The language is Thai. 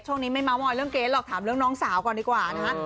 ช่วงนี้ไม่เมาส์มอยเรื่องเกรทหรอกถามเรื่องน้องสาวก่อนดีกว่านะคะ